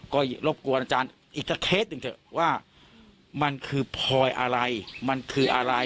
ก็รบกวนอาจารย์อีกสักเคสหนึ่งเถอะว่ามันคือพลอยอะไรมันคืออะไร